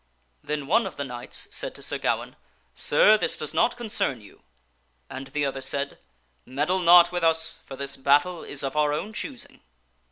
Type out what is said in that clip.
Then one of the knights said to Sir Gawaine, *' Sir, this does not concern you ;" and the other said, " Meddle not with us, for this battle is of our own choosing.'